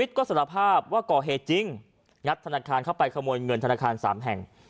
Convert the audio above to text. ก็สารภาพว่าก่อเหตุจริงงัดธนาคารเข้าไปขโมยเงินธนาคาร๓แห่ง